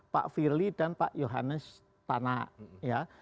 pak firli dan pak yohanes tanak ya